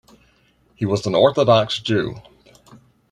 He was an Orthodox Jew.